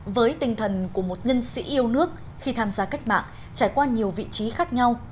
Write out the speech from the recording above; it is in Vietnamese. với tinh thần của một nhân sĩ yêu nước khi tham gia cách mạng trải qua nhiều vị trí khác nhau